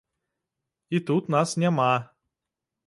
І тут нас няма.